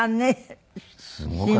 すごかった。